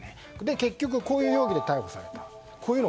結局、こういう容疑で逮捕された。